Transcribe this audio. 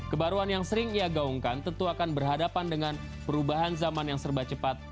kebaruan yang sering ia gaungkan tentu akan berhadapan dengan perubahan zaman yang serba cepat